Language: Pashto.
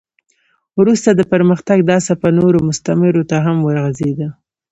وروسته د پرمختګ دا څپه نورو مستعمرو ته هم وغځېده.